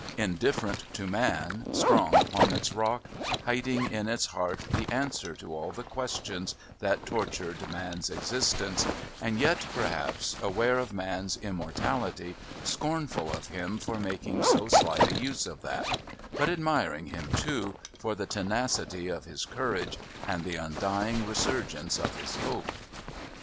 Indifferent to man, strong upon its rock, hiding in its heart the answer to all the questions that tortured man's existence and yet, perhaps, aware of man's immortality, scornful of him for making so slight a use of that but admiring him, too, for the tenacity of his courage and the undying resurgence of his hope.